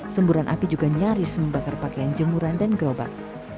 semburan api juga nyaris membakar pakaian jemuran dan gerobak